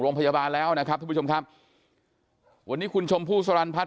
โรงพยาบาลแล้วนะครับทุกผู้ชมครับวันนี้คุณชมพู่สรรพัฒ